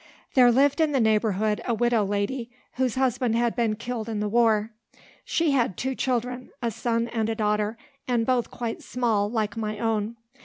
There lived in the neighbourhood, a widow lady whose husband had been killed in the war. She had two children, a son and daughter, and both quite small, like my own.